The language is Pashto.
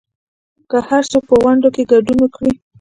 که هرڅوک په غونډو کې ګډون وکړي